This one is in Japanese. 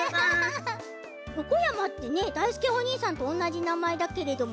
よこやまってねだいすけおにいさんとおんなじなまえだけれども。